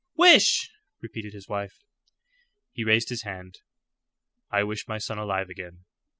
"Wish!" repeated his wife. He raised his hand. "I wish my son alive again."